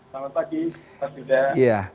selamat pagi pak tidak